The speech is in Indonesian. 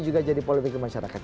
juga jadi polemik di masyarakat